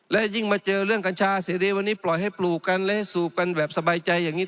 และยิ่งมาเจอเรื่องกัญชาเสรีวันนี้ปล่อยให้ปลูกกันและให้สูบกันแบบสบายใจอย่างนี้